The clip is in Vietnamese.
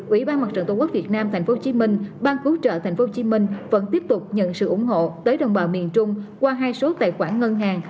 ủy ban mặt trận tổ quốc việt nam tp hcm ban cứu trợ tp hcm vẫn tiếp tục nhận sự ủng hộ tới đồng bào miền trung qua hai số tài khoản ngân hàng